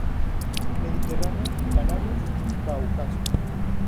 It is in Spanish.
Mediterráneo, Canarias, Cáucaso.